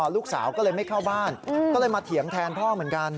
ลูกสาวก็เลยไม่เข้าบ้านก็เลยมาเถียงแทนพ่อเหมือนกัน